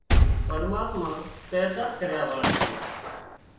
پرماتما پيدا ڪريا واۯو سي